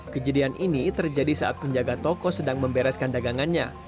kejadian ini terjadi saat penjaga toko sedang membereskan dagangannya